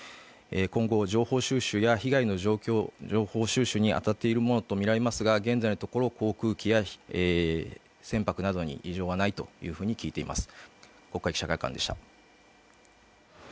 今後、情報収集や被害の情報収集にあたっているものとみられますが現在のところ航空機や船舶などに異常はないと聞いています。